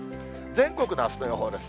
全国のあすの予報です。